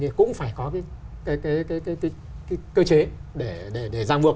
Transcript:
thì cũng phải có cái cơ chế để giang buộc